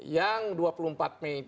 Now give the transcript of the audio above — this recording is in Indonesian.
yang dua puluh empat januari